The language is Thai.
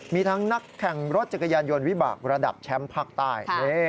มีทั้งนักแข่งรถจักรยานยนต์วิบากระดับแชมป์ภาคใต้